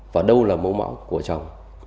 và đâu là mẫu máu của chồng